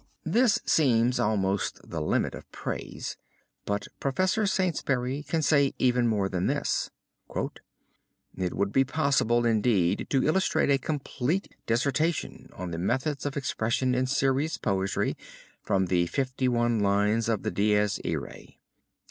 This seems almost the limit of praise but Prof. Saintsbury can say even more than this: "It would be possible, indeed, to illustrate a complete dissertation on the methods of expression in serious poetry from the fifty one lines of the Dies Irae.